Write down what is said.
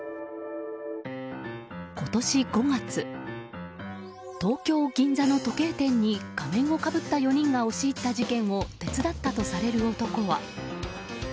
今年５月、東京・銀座の時計店に仮面をかぶった４人が押し入った事件を手伝ったとされる男は。